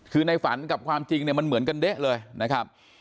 คือในฝันกับความจริงเนี่ยมันเหมือนกันเด๊ะเลยนะครับ